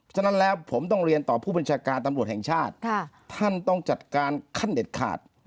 ฉะนั้นแล้วผมต้องเรียนต่อผู้บัญชาการตำรวจแห่งชาติท่านต้องจัดการขั้นเด็ดขาด